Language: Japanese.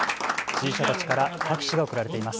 支持者たちから拍手が送られています。